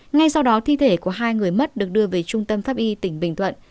ngay sau đó thi thể của hai người mất được đưa về trung tâm pháp y tỉnh bình thuận